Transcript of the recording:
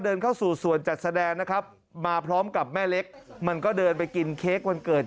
เดินเข้าสู่ส่วนจัดแสดงนะครับมาพร้อมกับแม่เล็กมันก็เดินไปกินเค้กวันเกิด